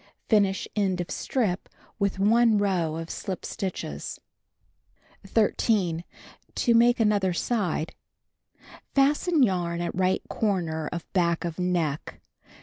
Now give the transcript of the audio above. Finish end of strip with 1 row of slij) stitches. 13. To make other side. — Fasten yarn at right corner of back of neck.